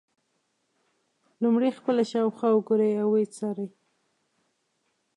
لومړی خپله شاوخوا وګورئ او ویې څارئ.